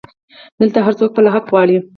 دلته هرڅوک خپل حق غواړي